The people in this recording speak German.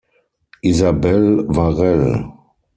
Isabell Varell